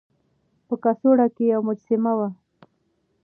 په کڅوړه کې يوه مجسمه وه.